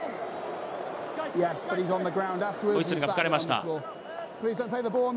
ホイッスルが吹かれました。